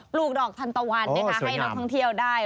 ปลูกดอกทันตวันให้ท่องเที่ยวได้